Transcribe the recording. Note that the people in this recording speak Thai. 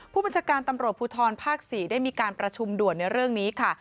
ผู้บัญชาการตำรวจภูทรภาค๔ได้มีการประชุมด่วนในเรื่องนี้ค่ะ